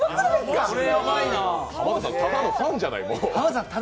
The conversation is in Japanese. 濱田さん、ただのファンじゃない。